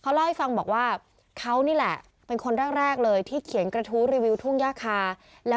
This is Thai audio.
เล่าให้ฟังบอกว่าเขานี่แหละเป็นคนแรกเลยที่เขียนกระทู้รีวิวทุ่งย่าคาแล้ว